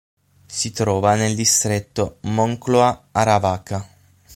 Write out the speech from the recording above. Si trova nel distretto Moncloa-Aravaca.